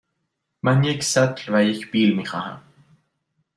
من یک سطل و یک بیل می خواهم.